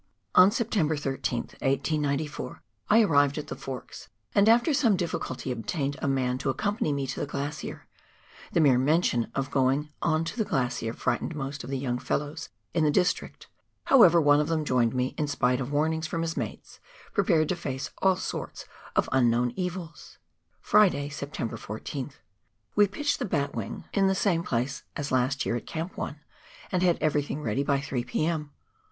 On September I3th, 1894, I arrived at the Forks, and after some difficulty obtained a man to accompany me to the glacier, the mere mention of going on to the glacier frightening most of the young fellows in the district ; however, one of them joined me in spite of warnings from his mates, prepared to face all sorts of unknown evils. Friday, September 14:th. — We pitched the batwing in the IGO PIONEER WORK IN THE ALPS OF NEW ZEALAND. same place as last year at Camp 1, and had everything ready by 3 P.M.